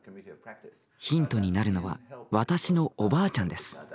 ヒントになるのは私のおばあちゃんです。